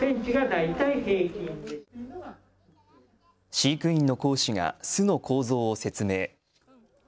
飼育員の講師が巣の構造を説明。